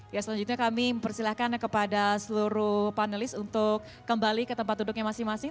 ya selanjutnya kami mempersilahkan kepada seluruh panelis untuk kembali ke tempat duduknya masing masing